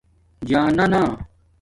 جانانا